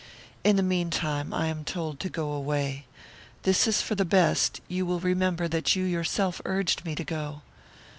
In the meantime, I am told to go away. This is for the best; you will remember that you yourself urged me to go.